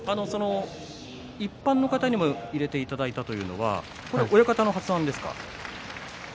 一般の方にも、はさみを入れていただいたというのは親方の発案ですか？